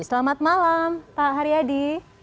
selamat malam pak haryadi